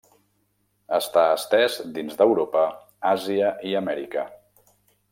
Està estès dins d'Europa, Àsia i Amèrica.